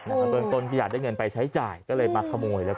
นะครับเมืองตนอยากได้เงินไปใช้จ่ายก็เลยมาขโมยแล้ว